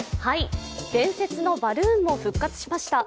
伝説のバルーンも復活しました。